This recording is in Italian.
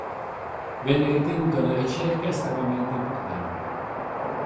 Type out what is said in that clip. Venne ritenuta una ricerca estremamente importante.